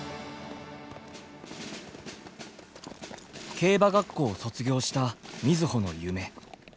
競馬学校を卒業した瑞穂の夢。